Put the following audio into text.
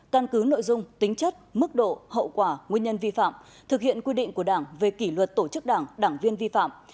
căn cứ nội dung tính chất mức độ hậu quả nguyên nhân vi phạm thực hiện quy định của đảng về kỷ luật tổ chức đảng đảng viên vi phạm